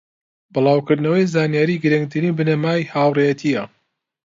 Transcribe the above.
بڵاوکردنەوەی زانیاری گرنگترین بنەمای هاوڕێیەتیە